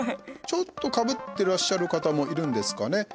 ちょっと、かぶってらっしゃる方もいるんですかね。